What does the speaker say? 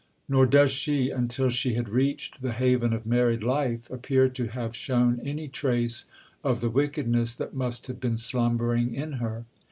Nor does she, until she had reached the haven of married life, appear to have shown any trace of the wickedness that must have been slumbering in her.